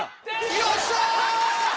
よっしゃ！